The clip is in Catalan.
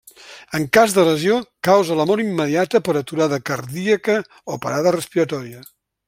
En cas de lesió, causa la mort immediata per aturada cardíaca o parada respiratòria.